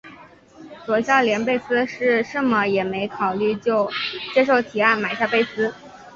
佐孝连贝斯是甚么也没考虑就接受提案买下贝斯。